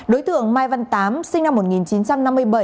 đối tượng mai văn tám sinh năm một nghìn chín trăm năm mươi bảy